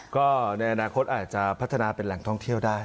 ก็ในอนาคตอาจจะพัฒนาเป็นแหล่งท่องเที่ยวได้